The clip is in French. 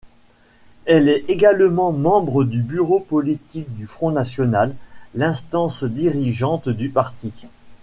Elle est également membre du bureau politique du Front national, l'instance dirigeante du parti.